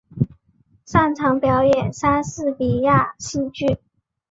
擅长表演莎士比亚戏剧。